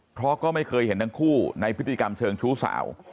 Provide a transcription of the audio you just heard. เพราะก็ไม่เคยเห็นทั้งคู่ในพฤติกรรมเชิงชู้สาว